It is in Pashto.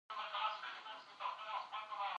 افغانۍ زموږ هویت دی.